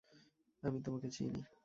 আমি তোমাকে চিনি।